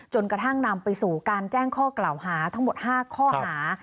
จนกระทั่งนำไปสู่การแจ้งข้อกล่าวหาทั้งหมด๕ข้อหา